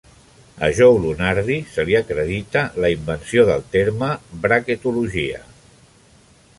A Joe Lunardi se li acredita la invenció del terme "bracketologia".